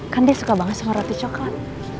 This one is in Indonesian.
kan dia suka banget sama roti coklat